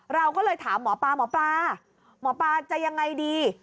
เราก็เลยถามหมอปลาหมอปลาจะยังไงดี